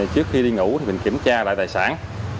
trước khi đi ngủ thì mình kiểm tra lại tài sản